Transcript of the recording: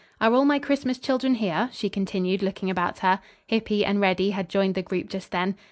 Are all my Christmas children here?" she continued, looking about her. Hippy and Reddy had joined the group just then.